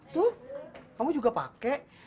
tuh kamu juga pake